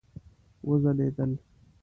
وځلیدل